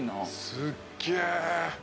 すっげえ。